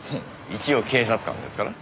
一応警察官ですから。